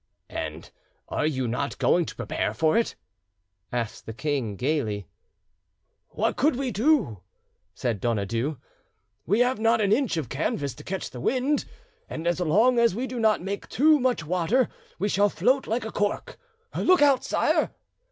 "And are you not going to prepare for it?" asked the king gaily. "What could we do?" said Donadieu. "We have not an inch of canvas to catch the wind, and as long as we do not make too much water, we shall float like a cork. Look out sire!"